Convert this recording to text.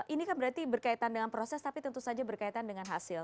ini kan berarti berkaitan dengan proses tapi tentu saja berkaitan dengan hasil